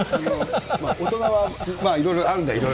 大人はいろいろあるんだ、いろいろ。